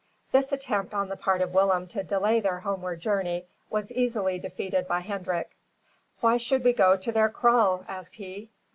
This attempt on the part of Willem to delay their homeward journey was easily defeated by Hendrik. "Why should we go to their kraal?" asked he.